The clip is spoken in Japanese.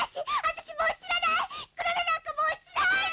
私もう知らない！